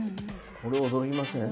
これは驚きますね。